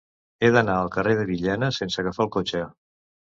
He d'anar al carrer de Villena sense agafar el cotxe.